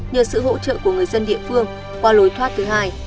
nhờ sự hỗ trợ của người dân địa phương qua lối thoát thứ hai